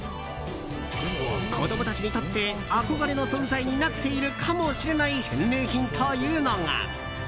子供たちにとって憧れの存在になっているかもしれない返礼品というのが。